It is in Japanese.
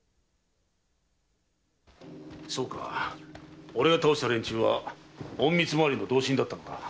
そうか俺が倒した連中は隠密廻りの同心だったのか。